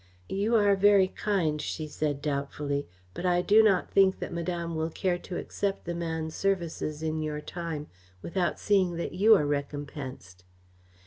"You are very kind," she said doubtfully, "but I do not think that Madame will care to accept the man's services in your time without seeing that you are recompensed."